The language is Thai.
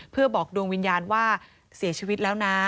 เพื่อบอกดวงวิญญาณว่าเสียชีวิตแล้วนะ